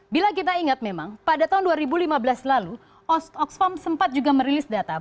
bila kita ingat memang pada tahun dua ribu lima belas lalu oxfam sempat juga merilis data